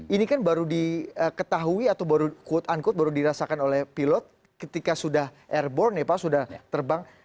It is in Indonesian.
ini kan baru diketahui atau baru quote unquote baru dirasakan oleh pilot ketika sudah airborne ya pak sudah terbang